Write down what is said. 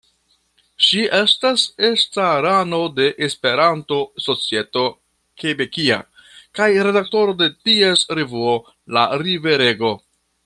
Ŝi estas estrarano de "Esperanto-Societo Kebekia" kaj redaktoro de ties revuo "La Riverego".